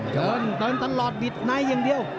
โจรตันตลอดบิดไหนอย่างเดียว